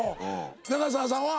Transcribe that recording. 長澤さんは？